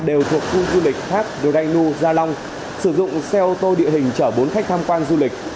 đều thuộc khu du lịch thác đô rai nụ gia long sử dụng xe ô tô địa hình chở bốn khách tham quan du lịch